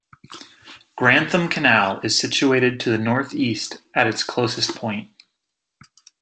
Grantham Canal is situated to the north-east at its closest point.